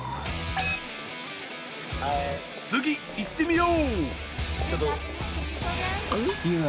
次いってみよう！